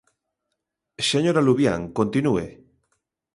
Señora Luvián, continúe.